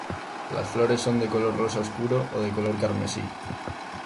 Las flores son de color rosa oscuro o de color carmesí.